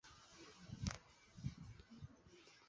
改进的耒有两个尖头或有省力曲柄。